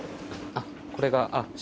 あっこれがあっ小。